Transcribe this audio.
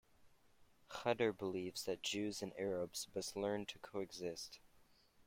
Khader believes that Jews and Arabs must learn to coexist.